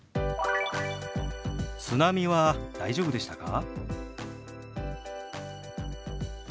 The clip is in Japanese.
「津波は大丈夫でしたか？」。